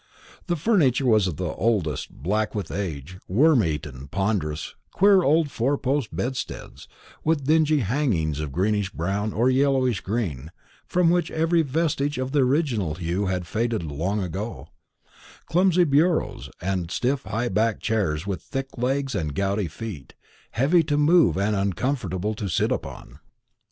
The furniture was of the oldest, black with age, worm eaten, ponderous; queer old four post bedsteads, with dingy hangings of greenish brown or yellowish green, from which every vestige of the original hue had faded long ago; clumsy bureaus, and stiff high backed chairs with thick legs and gouty feet, heavy to move and uncomfortable to sit upon.